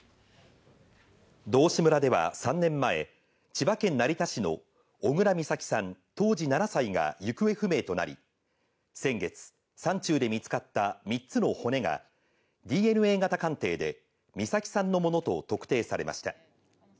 道志村では３年前、千葉県成田市の小倉美咲さん当時７歳が行方不明となり、先月、山中で見つかった３つの骨が、ＤＮＡ型鑑定で、美咲さんのものと特定されました。